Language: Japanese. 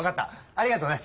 ありがとね。